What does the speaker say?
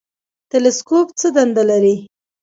تلسکوپ څه دنده لري؟